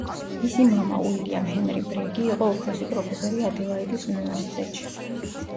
მისი მამა, უილიამ ჰენრი ბრეგი იყო უფროსი პროფესორი ადელაიდის უნივერსიტეტში.